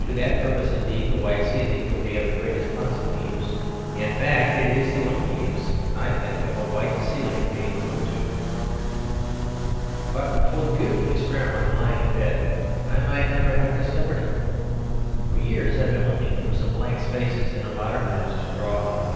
To that purpose, indeed, the white ceiling would be of the greatest possible use; in fact, it is the only use I think of a white ceiling being put to. But for the beautiful experiment of lying in bed I might never have discovered it. For years I have been looking for some blank spaces in a modern house to draw on.